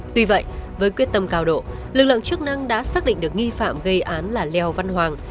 tuy vậy với quyết tâm cao độ lực lượng chức năng đã xác định được nghi phạm gây án là leo văn hoàng